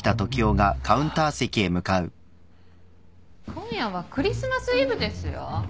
今夜はクリスマスイブですよ？